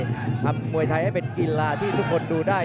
ทำมวยไทยให้เป็นกีฬาที่ทุกคนดูได้